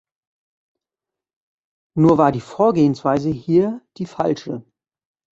Nur war die Vorgehensweise hier die falsche.